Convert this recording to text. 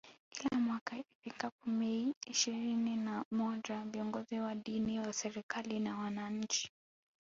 Kila mwaka ifikapo Mei ishirinina moja viongozi wa dini wa serikali na wananchi